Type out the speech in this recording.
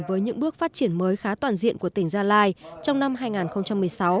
với những bước phát triển mới khá toàn diện của tỉnh gia lai trong năm hai nghìn một mươi sáu